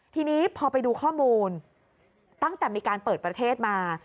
ทีนี้พอไปดูข้อมูลตั้งแต่มีการเปิดประเทศมา